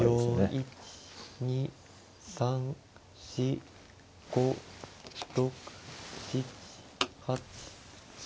１２３４５６７８９。